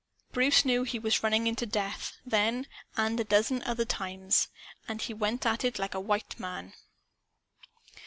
Bruce knew he was running into death , then and a dozen other times. And he went at it like a white man.